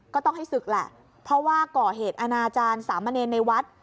ก็ต้องให้ศึกแหละเพราะว่าก่อเหตุอนาจารย์สามเณรในวัด